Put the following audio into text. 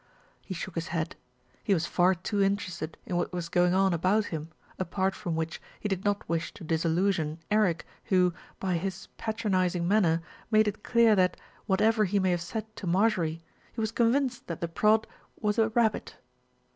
He shook his head. He was far too interested in what was going on about him, apart from which he did not wish to disillusion Eric who, by his patronising manner, made it clear that, whatever he may have said to Marjorie, he was convinced that the "prod" was a "rabbit."